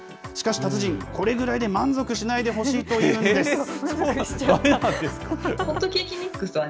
しかし達人、これぐらいで満足しないでほしいというんです。